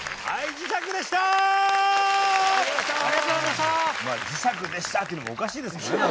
「磁石でした！」っていうのもおかしいですけどね何か。